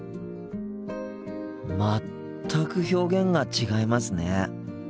全く表現が違いますね。